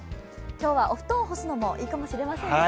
今日はお布団を干すのもいいかもしれませんね。